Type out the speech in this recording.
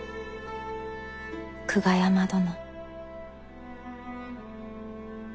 久我山殿。